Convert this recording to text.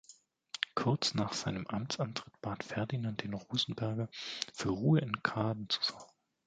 Kurz nach seinem Amtsantritt bat Ferdinand den Rosenberger, für Ruhe in Kaaden zu sorgen.